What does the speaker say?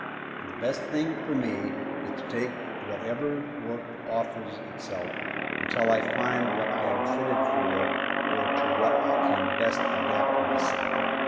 The best thing for me is to take whatever work offers itself, until I find what I am fitted for or to what I can best adapt myself."